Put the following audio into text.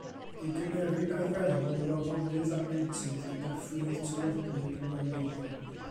Ei gynefin arferol yw afonydd a nentydd, gyda phridd tywodlyd yn wely iddo.